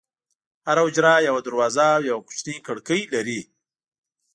هره حجره یوه دروازه او یوه کوچنۍ کړکۍ لري.